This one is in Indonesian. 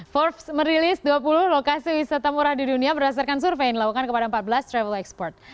forbes merilis dua puluh lokasi wisata murah di dunia berdasarkan survei yang dilakukan kepada empat belas travel expert